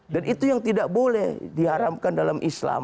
dan itu yang tidak boleh diharamkan dalam islam